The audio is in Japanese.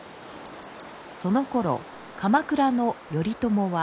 そのころ鎌倉の頼朝は。